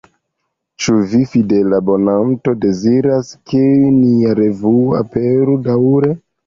Ĉu vi, fidela abonanto, deziras, ke nia revuo aperu daŭre?